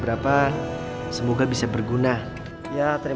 biar apa yang kita cita citain